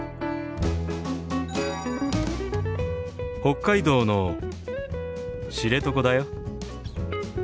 北海道の知床だよ。